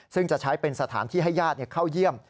ซึ่งจะใช้เป็นสถานที่ให้ญาติเข้าเยี่ยม